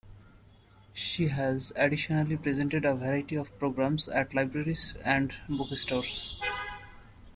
She has additionally presented a variety of programs at libraries and bookstores.